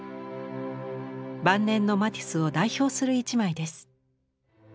晩年のマティスを代表する一枚です。